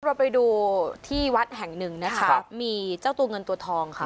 เราไปดูที่วัดแห่งหนึ่งนะคะมีเจ้าตัวเงินตัวทองค่ะ